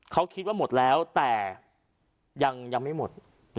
เขาคิดว่าหมดแล้วแต่ยังไม่หมด